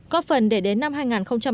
có phần để đến năm hai nghìn hai mươi